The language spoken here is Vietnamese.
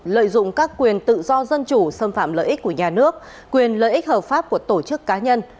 lợi dụng các quyền tự do dân chủ xâm phạm lợi ích của nhà nước quyền lợi ích hợp pháp của tổ chức cá nhân